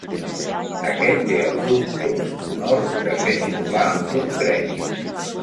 Aquest té el dubtós honor de ser titular d'un crèdit.